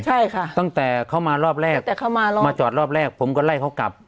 ใช่ค่ะตั้งแต่เขามารอบแรกแต่เขามารอบมาจอดรอบแรกผมก็ไล่เขากลับ